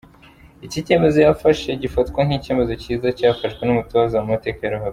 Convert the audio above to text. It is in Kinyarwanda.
Iki cyemezo yafashe gifatwa nk’icyemezo cyiza cyafashwe n’umutoza mu mateka ya ruhago.